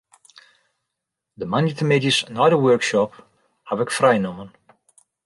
De moandeitemiddeis nei de workshop haw ik frij nommen.